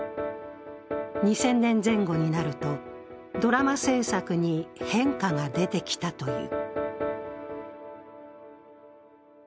２０００年前後になると、ドラマ制作に変化が出てきたという。